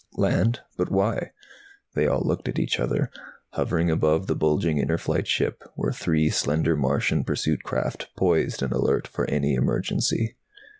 "Land? But why?" They all looked at each other. Hovering above the bulging Inner Flight ship were three slender Martian pursuit craft, poised and alert for any emergency.